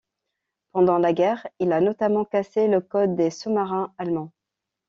Pendant la guerre il a notamment cassé le code des sous-marins allemands.